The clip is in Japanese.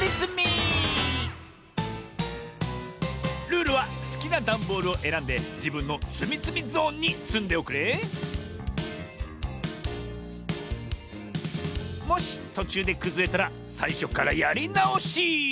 ルールはすきなダンボールをえらんでじぶんのつみつみゾーンにつんでおくれもしとちゅうでくずれたらさいしょからやりなおし。